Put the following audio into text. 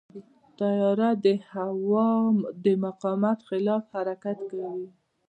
طیاره د هوا د مقاومت خلاف حرکت کوي.